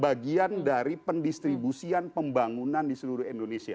bagian dari pendistribusian pembangunan di seluruh indonesia